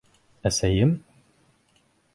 Әсәйем?